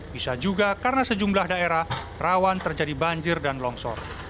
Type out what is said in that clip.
bisa juga karena sejumlah daerah rawan terjadi banjir dan longsor